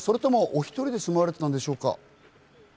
お１人で住まわれていたんでしょうか？